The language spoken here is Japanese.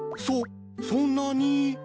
そそんなに！？